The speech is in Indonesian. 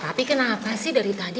tapi kenapa sih dari tadi